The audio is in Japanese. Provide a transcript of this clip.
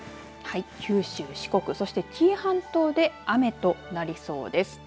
九州、四国、そして紀伊半島で雨となりそうです。